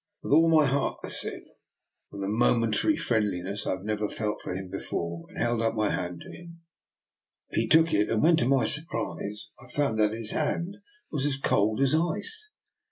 " With all my heart," I said, with a mo mentary friendliness I had never felt for him before, and held out my hand to him. He took it, when to my surprise I found that his hand was as cold as ice.